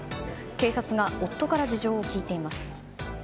警察が夫から事情を聴いています。